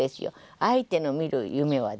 相手の見る夢はですね